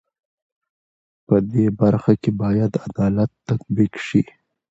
په دې برخه کې بايد عدالت تطبيق شي.